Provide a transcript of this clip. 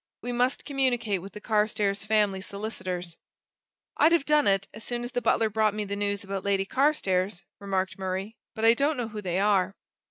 We must communicate with the Carstairs family solicitors." "I'd have done it, as soon as the butler brought me the news about Lady Carstairs," remarked Murray, "but I don't know who they are."